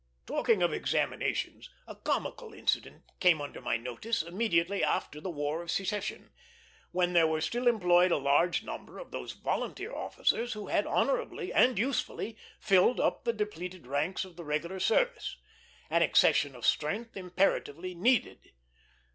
Talking of examinations, a comical incident came under my notice immediately after the War of Secession, when there were still employed a large number of those volunteer officers who had honorably and usefully filled up the depleted ranks of the regular service an accession of strength imperatively needed.